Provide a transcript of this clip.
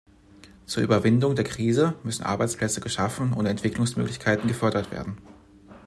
Zur Überwindung der Krise müssen Arbeitsplätze geschaffen und Entwicklungsmöglichkeiten gefördert werden.